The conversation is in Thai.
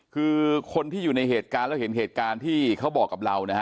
คือคนที่อยู่ในเหตุการณ์แล้วเห็นเหตุการณ์ที่เขาบอกกับเรานะฮะ